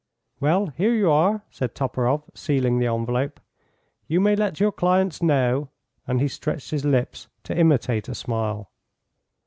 "Well, here you are," said Toporoff, sealing the envelope; "you may let your clients know," and he stretched his lips to imitate a smile.